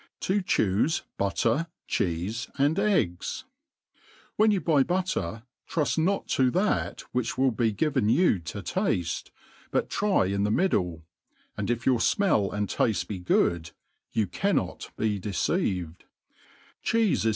To cbufe Batter 9 Cheefe^ and Eggu WHEN you buy butter, truft not to that which will be given you to tafle, but try in the middle, and if your fmell and tafle be good, you cannot be deceived* Cheefe MADE PLAIN AND EASY.